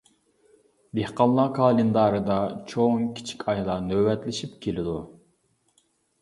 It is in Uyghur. دېھقانلار كالېندارىدا چوڭ، كىچىك ئايلار نۆۋەتلىشىپ كېلىدۇ.